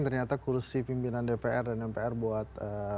ternyata kursi pimpinan dpr dan mpr buat